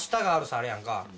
あるやんか。